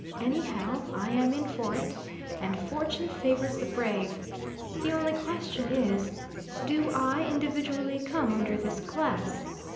Anyhow I am in for it, and Fortune favours the brave. The only question is: Do I individually come under this class?